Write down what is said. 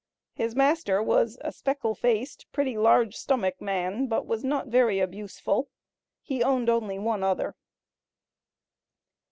His master was a "speckled faced pretty large stomach man, but was not very abuseful." He only owned one other.